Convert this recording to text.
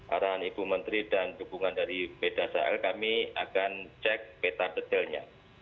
arahan ibu menteri dan dukungan dari pdasal kami akan cek peta detailnya